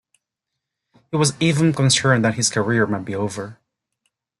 He was even concerned that his career might be over.